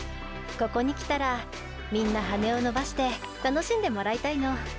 ここに来たらみんな羽を伸ばして楽しんでもらいたいの。